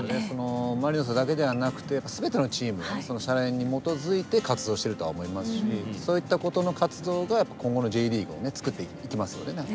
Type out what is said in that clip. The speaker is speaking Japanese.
マリノスだけではなくて全てのチームがその「シャレン！」に基づいて活動してるとは思いますしそういったことの活動が今後のＪリーグを作っていきますのでね。